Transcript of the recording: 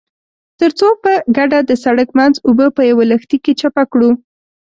ترڅو په ګډه د سړک منځ اوبه په يوه لښتي کې چپه کړو.